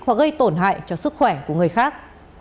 hoặc gây tổn hại cho sức khỏe của người khác